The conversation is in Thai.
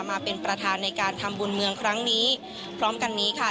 มาเป็นประธานในการทำบุญเมืองครั้งนี้พร้อมกันนี้ค่ะ